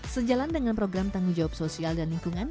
sejalan dengan program tanggung jawab sosial dan lingkungan